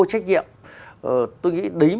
trách nhiệm tôi nghĩ đấy mà